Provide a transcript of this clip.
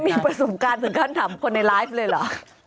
หมอไม่มีประสบการณ์ถึงก็ถามคนในไลฟ์เลยหรือ